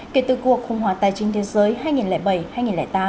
kể từ cuộc khủng hoảng tài chính thế giới